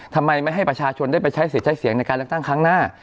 ทำไมไม่ให้ประชาชนได้ไปใช้สิทธิ์ใช้เสียงในการเลือกตั้งครั้งหน้า